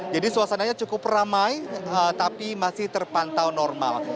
jadi suasananya cukup ramai tapi masih terpantau normal